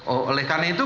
oleh karena itu